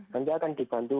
nanti akan dibantu